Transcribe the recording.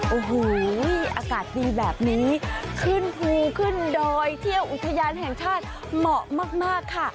โอ้โหอากาศดีแบบนี้ขึ้นภูขึ้นดอยเที่ยวอุทยานแห่งชาติเหมาะมากค่ะ